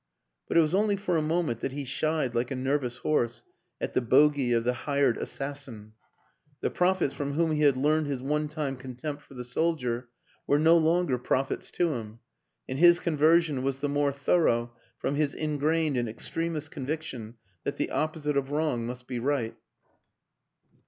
But it was only for a moment that he shied like a nervous horse at the bogey of the " hired assassin." The prophets from whom he had learned his one time contempt for the soldier were no longer prophets to him, and his conversion was the more thorough from his ingrained and extremist conviction that the opposite of wrong must be right.